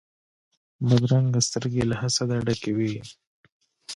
بدرنګه سترګې له حسده ډکې وي